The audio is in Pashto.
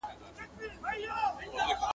• په ځنگله کې وزېږوه، په بازارکې لوى که.